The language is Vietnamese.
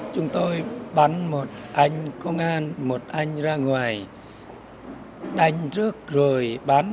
chúng tôi bắn một anh công an một anh ra ngoài đánh trước rồi bắn